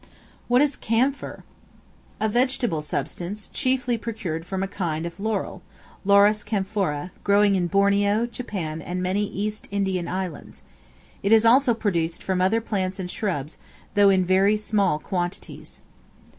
What is Camphor? A vegetable substance, chiefly procured from a kind of laurel, (Laurus Camphora,) growing in Borneo, Japan, and many East Indian islands; it is also produced from other plants and shrubs, though in very small quantities.